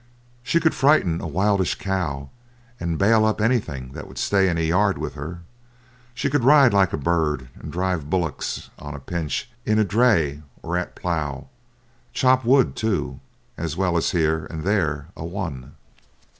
She could frighten a wildish cow and bail up anything that would stay in a yard with her. She could ride like a bird and drive bullocks on a pinch in a dray or at plough, chop wood, too, as well as here and there a one.